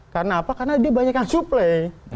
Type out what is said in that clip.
karena apa karena dia banyak yang suplei